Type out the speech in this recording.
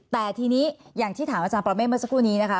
แต่ทีนี้อย่างที่ถามอาจารย์ประเมฆเมื่อสักครู่นี้นะคะ